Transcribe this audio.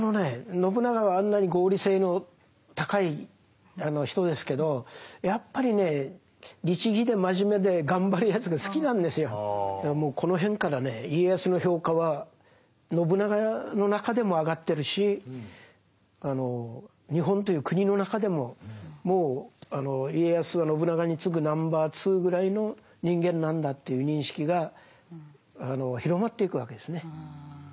信長はあんなに合理性の高い人ですけどやっぱりねだからもうこの辺からね家康の評価は信長の中でも上がってるし日本という国の中でももう家康は信長につぐナンバー２ぐらいの人間なんだという認識が広まっていくわけですね。